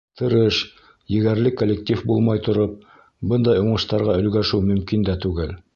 Тырыш, егәрле коллектив булмай тороп, бындай уңыштарға өлгәшеү мөмкин дә түгел.